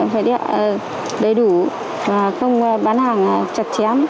phải đẹp đầy đủ không bán hàng chặt chém